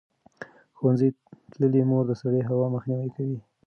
ښوونځې تللې مور د سړې هوا مخنیوی کوي.